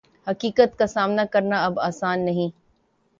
حقیقت کا سامنا کرنا اب آسان نہیں